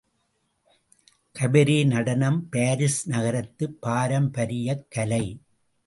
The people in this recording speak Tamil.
காபரே நடனம் பாரிஸ் நகரத்துப் பாரம்பரியக் கலை.